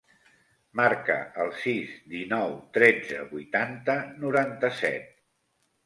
Marca el sis, dinou, tretze, vuitanta, noranta-set.